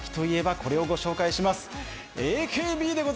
ＡＫＢをご紹介します。